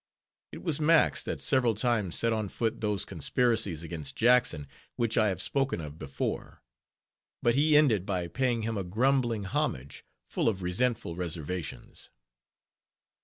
It was Max that several times set on foot those conspiracies against Jackson, which I have spoken of before; but he ended by paying him a grumbling homage, full of resentful reservations.